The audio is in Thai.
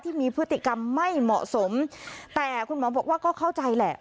ที่มีพฤติกรรมไม่เหมาะสมแต่คุณหมอบอกว่าก็เข้าใจแหละ